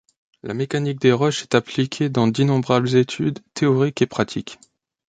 La mécanique des roches est appliquée dans d’innombrables études théoriques et pratiques.